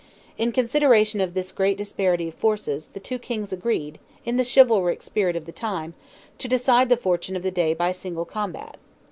In consideration of this great disparity of forces, the two kings agreed, in the chivalric spirit of the time, to decide the fortune of the day by single combat.